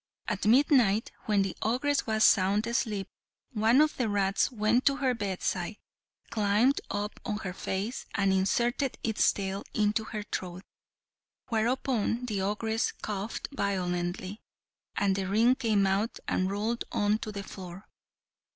At midnight, when the ogress was sound asleep, one of the rats went to her bedside, climbed up on her face, and inserted its tail into her throat; whereupon the ogress coughed violently, and the ring came out and rolled on to the floor.